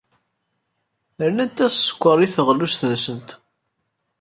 Rnant-as sskeṛ i teɣlust-nsent.